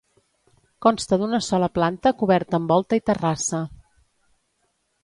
Consta d'una sola planta coberta amb volta i terrassa.